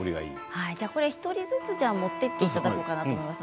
１人ずつ持っていっていただこうと思います。